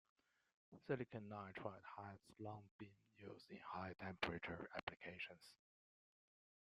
Silicon nitride has long been used in high-temperature applications.